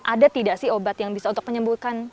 ada tidak sih obat yang bisa untuk menyembuhkan